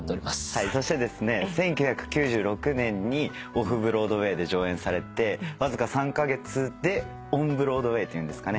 そしてですね１９９６年にオフ・ブロードウェイで上演されてわずか３カ月でオン・ブロードウェイっていうんですかね